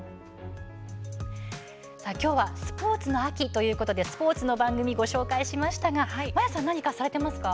きょうはスポーツの秋ということでスポーツの番組をご紹介しましたが、マヤさん何かされていますか？